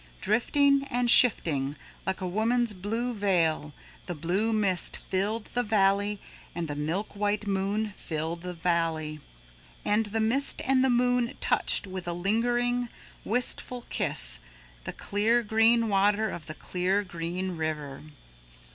Drifting and shifting like a woman's blue veil, the blue mist filled the valley and the milk white moon filled the valley. And the mist and the moon touched with a lingering, wistful kiss the clear green water of the Clear Green River.